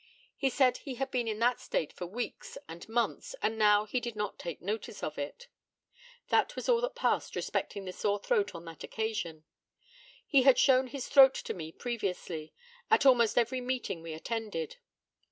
He said he had been in that state for weeks and months, and now he did not take notice of it. That was all that passed respecting the sore throat on that occasion. He had shown his throat to me previously at almost every meeting we attended.